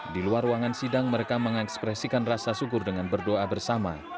di luar ruangan sidang mereka mengekspresikan rasa syukur dengan berdoa bersama